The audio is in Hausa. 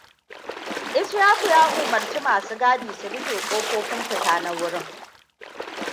Ishaku ya umarci masu gadi su rufe kofofin fita na wurin.